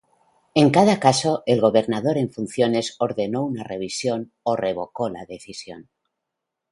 En cada caso, el gobernador en funciones ordenó una revisión o revocó la decisión.